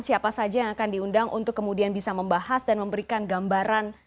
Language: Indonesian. siapa saja yang akan diundang untuk kemudian bisa membahas dan memberikan gambaran